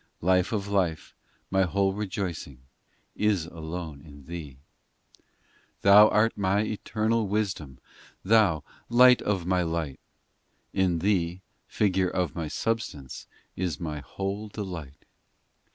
Life of Life, My whole rejoicing Is alone in Thee. VI Thou art My Eternal Wisdom, Thou, Light of My light; In Thee, Figure of My substance, Is my whole delight.